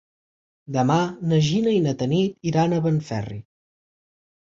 Demà na Gina i na Tanit iran a Benferri.